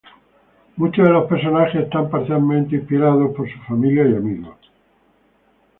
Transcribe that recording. Muchos de los personajes están parcialmente inspirados por su familia y amigos.